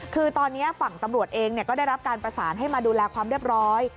คือตอนนี้ฝั่งตำรวจเองก็ได้รับการประสานให้มาดูแลความเรียบร้อย